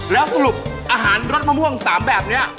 แล้วสรุปอาหารรสมะม่วง๓แบบนี้